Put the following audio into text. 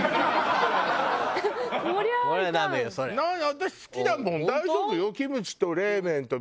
私好きだもん大丈夫よ。